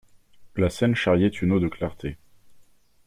La Seine charriait une eau de clartés.